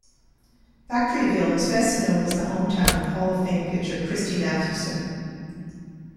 Factoryville is best known as the hometown of Hall of Fame pitcher Christy Mathewson.